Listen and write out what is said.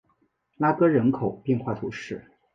拉戈人口变化图示